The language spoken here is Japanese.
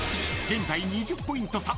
［現在２０ポイント差。